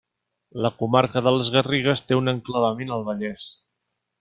La comarca de les Garrigues té un enclavament al Vallès.